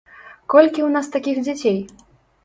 Колькі ў нас такіх дзяцей?